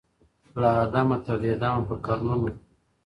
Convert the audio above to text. له آدمه تر دې دمه په قرنونو ,